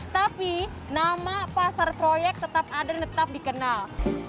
tapi nama pasar proyek tetap ada dan tetap dikenal